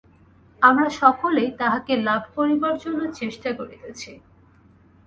আমরা সকলেই তাঁহাকে লাভ করিবার জন্য চেষ্টা করিতেছি।